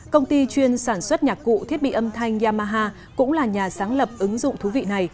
công ty chuyên sản xuất nhạc cụ thiết bị âm thanh yamaha cũng là nhà sáng lập ứng dụng thú vị này